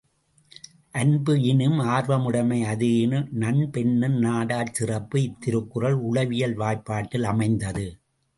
அன்புஈனும் ஆர்வ முடைமை அதுஈனும் நண்பென்னும் நாடாச் சிறப்பு இத்திருக்குறள் உளவியல் வாய்ப்பாட்டில் அமைந்தது.